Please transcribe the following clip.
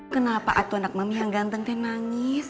kenapa aku anak mami yang ganteng teh nangis